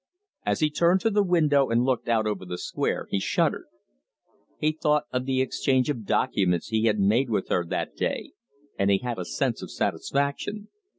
As he turned to the window and looked out over the square he shuddered. He thought of the exchange of documents he had made with her that day, and he had a sense of satisfaction.